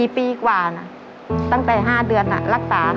๔ปีกว่านะตั้งแต่๕เดือนรักษา